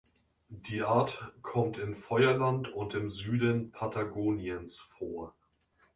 Die Art kommt in Feuerland und im Süden Patagoniens vor.